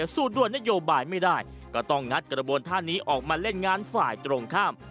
สูตรด่วนนโยบายไม่ได้ก็ต้องงัดกระบวนท่านี้ออกมาเล่นงานฝ่ายตรงข้าม